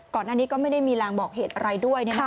ก่อนหน้านี้ก็ไม่ได้มีรางบอกเหตุอะไรด้วย